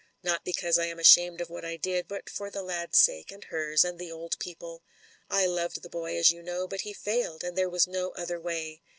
Not because I am ashamed of what I did, but for the lad's sake, and hers, and the old people. I loved the boy, as you know, but he failed, and there was no other way.